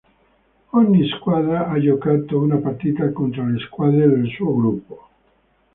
Ogni squadra ha giocato una partita contro le squadre del suo gruppo.